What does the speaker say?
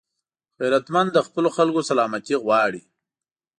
غیرتمند د خپلو خلکو سلامتي غواړي